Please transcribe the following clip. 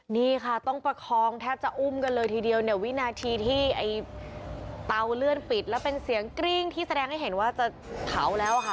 นี่ค่ะต้องประคองแทบจะอุ้มกันเลยทีเดียวเนี่ยวินาทีที่ไอ้เตาเลื่อนปิดแล้วเป็นเสียงกริ้งที่แสดงให้เห็นว่าจะเผาแล้วค่ะ